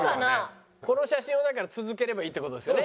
この写真をだから続ければいいって事ですよね？